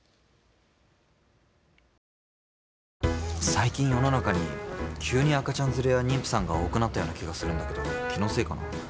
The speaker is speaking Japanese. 最近世の中に急に赤ちゃん連れや妊婦さんが多くなったような気がするんだけど気のせいかな？